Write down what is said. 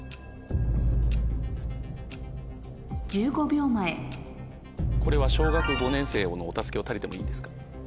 １５秒前これは小学５年生のお助けを借りてもいいんですか？